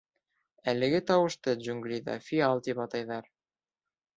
Әлеге тауышты джунглиҙа «фиал» тип атайҙар.